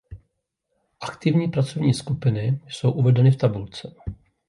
Aktivní pracovní skupiny jsou uvedeny v tabulce.